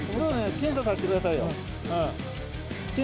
検査をさせてください。